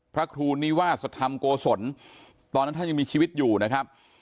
พระครูนิวาสธรรมโกศลตอนนั้นท่านยังมีชีวิตอยู่นะครับ